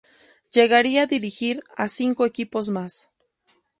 Llegaría a dirigir a cinco equipos más.